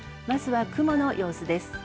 まずは、雲の様子です。